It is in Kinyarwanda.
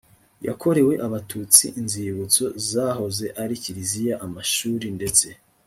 yakorewe abatutsi inzibutso zahoze ari kiliziya amashuri ndetse